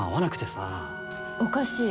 おかしい。